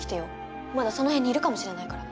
まだその辺にいるかもしれないから。